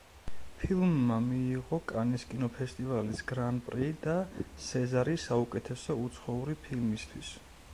ფილმმა მიიღო კანის კინოფესტივალის გრან პრი და სეზარი საუკეთესო უცხოური ფილმისთვის.